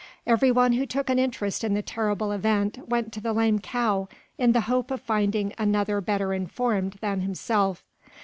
Everyone who took an interest in the terrible event went to the "Lame Cow" in the hope of finding another better informed than himself.